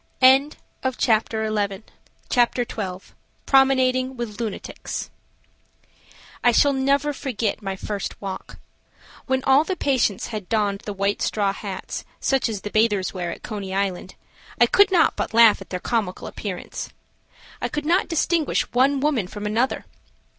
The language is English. CHAPTER XII. PROMENADING WITH LUNATICS. I SHALL never forget my first walk. When all the patients had donned the white straw hats, such as bathers wear at Coney Island, I could not but laugh at their comical appearances. I could not distinguish one woman from another.